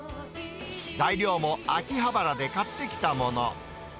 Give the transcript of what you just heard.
材料も秋葉原で買ってきたもの。